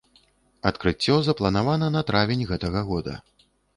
Адкрыццё запланавана на травень гэтага года.